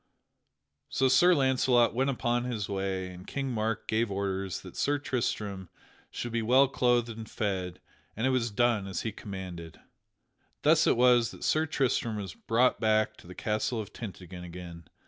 So Sir Launcelot went upon his way, and King Mark gave orders that Sir Tristram should be well clothed and fed, and it was done as he commanded. Thus it was that Sir Tristram was brought back to the castle of Tintagel again.